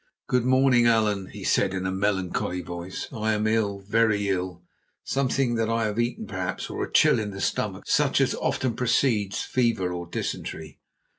"Good morning, Allan," he said in a melancholy voice; "I am ill, very ill, something that I have eaten perhaps, or a chill in the stomach, such as often precedes fever or dysentery."